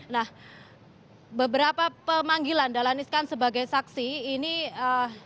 nah beberapa pemanggilan dahlan iskan sebagai saksi ini sampai lima kali